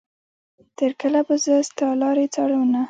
تر کله به زه ستا لارې څارنه.